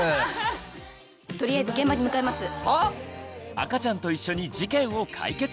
赤ちゃんと一緒に事件を解決！